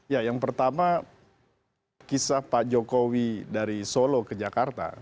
ya yang pertama kisah pak jokowi dari solo ke jakarta